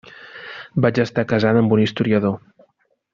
Vaig estar casada amb un historiador.